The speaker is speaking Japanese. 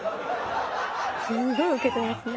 すごいウケてますね。